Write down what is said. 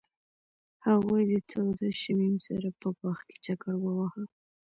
هغوی د تاوده شمیم سره په باغ کې چکر وواهه.